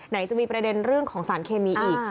ไหนจะมีประเด็นเรื่องของสารเคมีอีก